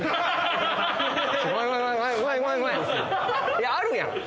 いやあるやん！